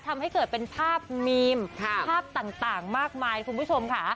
ทำให้เกิดเป็นภาพมีมภาพต่างมากมายคุณผู้ชมค่ะ